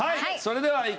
はい。